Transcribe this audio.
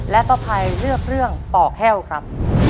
และป้าภัยเลือกเรื่องปอกแห้วครับ